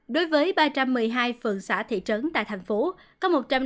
đối với ba trăm một mươi hai phường xã thị trấn tại tp hcm